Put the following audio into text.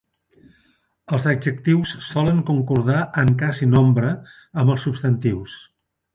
Els adjectius solen concordar en cas i nombre amb els substantius.